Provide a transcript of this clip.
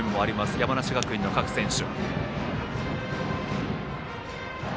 山梨学院の各選手。